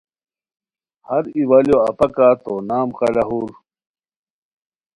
ہر ایوالیو اپاکہ تو نام قلاہور